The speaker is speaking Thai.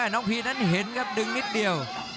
พีนั้นเห็นครับดึงนิดเดียว